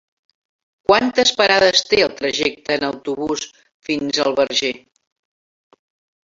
Quantes parades té el trajecte en autobús fins al Verger?